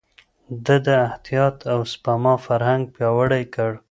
ده د احتياط او سپما فرهنګ پياوړی کړ.